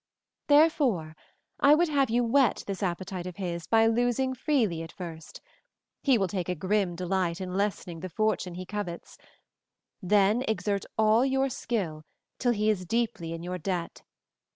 Therefore I would have you whet this appetite of his by losing freely at first he will take a grim delight in lessening the fortune he covets then exert all your skill till he is deeply in your debt.